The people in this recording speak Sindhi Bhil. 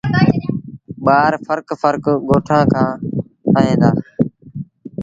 ٻآر ڦرڪ ڦرڪ ڳوٺآݩ کآݩ ائيٚݩ دآ۔